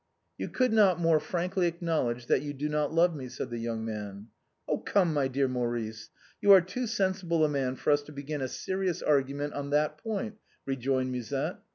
" You could not more frankly acknowledge that you do not love me," said the young man. " Come, my dear Maurice, you are too sensible a man for us to begin a serious argument on that point," rejoined Musette.